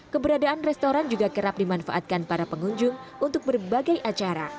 keberadaan restoran juga kerap dimanfaatkan para pengunjung untuk berbagai acara